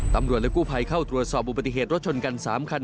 ตำรวจและกู้ภัยเข้าตรวจสอบอุบัติเหตุรถชนกัน๓คัน